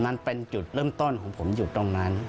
มันเป็นจุดเริ่มต้นของผมอยู่ตรงนั้น